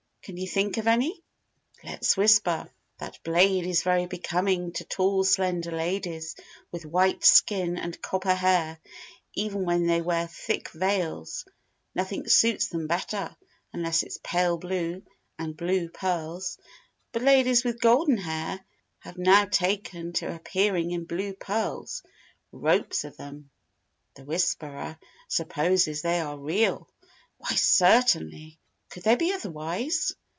Can you think of any?_ "_Let's Whisper, that blade is very becoming to tall slender ladies with white skin and copper hair, even when they wear thick veils. Nothing suits them better, unless it's pale blue, and blue pearls. But ladies with golden hair have now taken to appearing in blue pearls ropes of them. The 'Whisperer' supposes they are real. Why, certainly! Could they be otherwise?